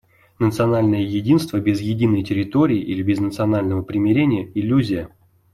Национальное единство без единой территории или без национального примирения — иллюзия.